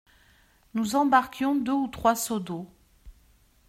Nous embarquions deux ou trois seaux d'eau.